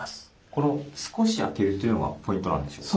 この少し開けるというのがポイントなんでしょうか？